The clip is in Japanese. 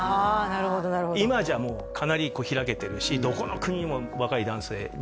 なるほどなるほど今じゃもうかなり開けてるしどこの国にも若い男性